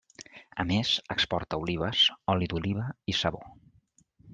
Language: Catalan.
A més, exporta olives, oli d'oliva i sabó.